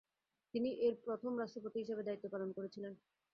তিনি এর প্রথম রাষ্ট্রপতি হিসাবে দায়িত্ব পালন করেছিলেন।